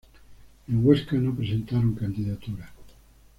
En Huesca no presentaron candidatura.